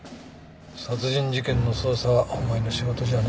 殺人事件の捜査はお前の仕事じゃない。